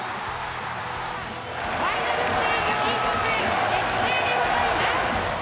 ファイナルステージ進出決定でございます！